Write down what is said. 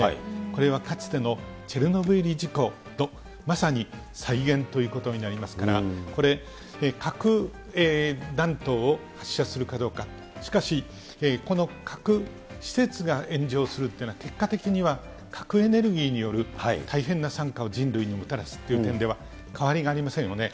これはかつてのチェルノブイリ事故のまさに再現ということになりますから、これ、核弾頭を発射するかどうか、しかし、この核施設が炎上するというのは、結果的には核エネルギーによる大変な惨禍を人類にもたらすという点では、変わりがありませんよね。